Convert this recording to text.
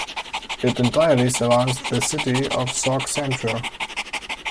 It entirely surrounds the city of Sauk Centre.